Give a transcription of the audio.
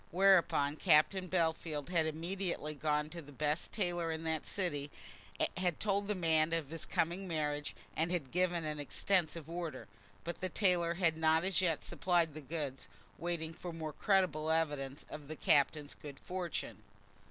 Whereupon Captain Bellfield had immediately gone to the best tailor in that city, had told the man of his coming marriage, and had given an extensive order. But the tailor had not as yet supplied the goods, waiting for more credible evidence of the Captain's good fortune.